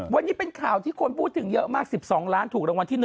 วันนี้เป็นข่าวที่คนพูดถึงเยอะมาก๑๒ล้านถูกรางวัลที่๑